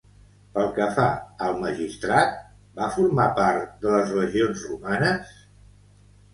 Pel que fa al magistrat, va formar part de les legions romanes?